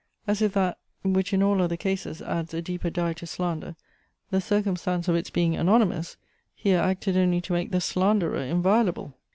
As if that, which in all other cases adds a deeper dye to slander, the circumstance of its being anonymous, here acted only to make the slanderer inviolable!